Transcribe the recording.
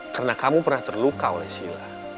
karena kamu pernah terluka oleh sila